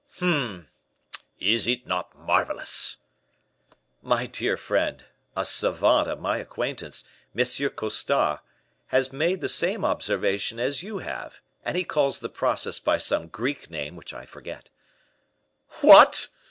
"Hum! Is it not marvelous?" "My dear friend, a savant of my acquaintance, M. Costar, has made the same observation as you have, and he calls the process by some Greek name which I forget." "What!